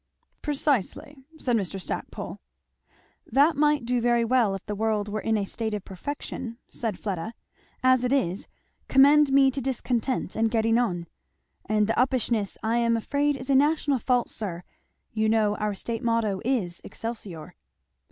'" "Precisely," said Mr. Stackpole. "That might do very well if the world were in a state of perfection," said Fleda. "As it is, commend me to discontent and getting on. And the uppishness I am afraid is a national fault, sir; you know our state motto is 'Excelsior.'"